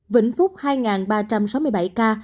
vĩnh phúc hai ba trăm sáu mươi bảy ca